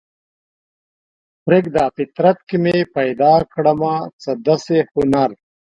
پریږده فطرت کې مې پیدا کړمه څه داسې هنر